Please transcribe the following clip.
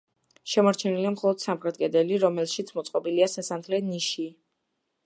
შემორჩენილია მხოლოდ სამხრეთ კედელი, რომელშიც მოწყობილია სასანთლე ნიში.